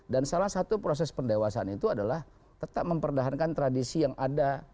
dan salah satu proses pendewasaan itu adalah tetap memperdahankan tradisi yang ada